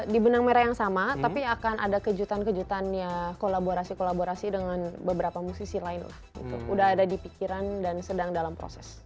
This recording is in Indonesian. di benang merah yang sama tapi akan ada kejutan kejutannya kolaborasi kolaborasi dengan beberapa musisi lain lah udah ada di pikiran dan sedang dalam proses